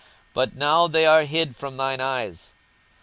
but now they are hid from thine eyes.